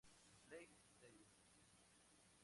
Place Stadium.